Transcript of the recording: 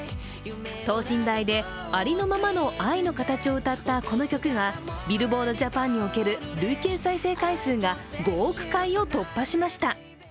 等身大でありのままの愛の形を歌ったこの曲がＢｉｌｌｂｏａｒｄＪＡＰＡＮにおける累計再生回数が５億回を突破しました。